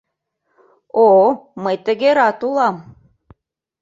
— О, мый тыге рат улам!